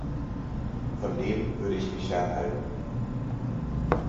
Von dem würde ich mich fernhalten.